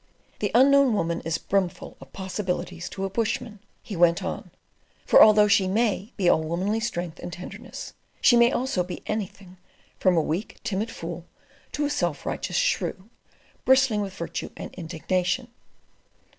"The Unknown Woman is brimful of possibilities to a bushman," he went on; "for although she MAY be all womanly strength and tenderness, she may also be anything, from a weak timid fool to a self righteous shrew, bristling with virtue and indignation.